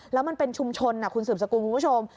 แล้วมันเป็นชุมชนคุณสืบสกุลคุณผู้ชม